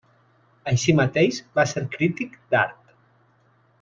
Així mateix va ser crític d'art.